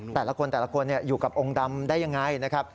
แต่ละคนอยู่กับองค์ดำได้อย่างไรนะครับ